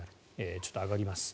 ちょっと上がります。